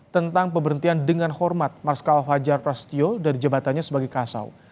tentang pemberhentian dengan hormat marskal fajar prasetyo dari jabatannya sebagai kasau